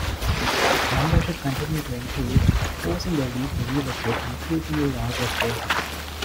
Membership continued to increase, forcing the League to relocate to increasingly larger spaces.